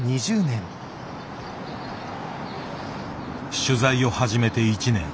取材を始めて１年。